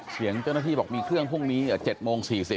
เสียงเจ้าหน้าที่บอกมีเครื่องพรุ่งนี้๗โมง๔๐